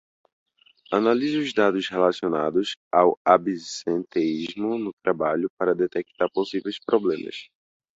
Analise os dados relacionados ao absenteísmo no trabalho para detectar possíveis problemas.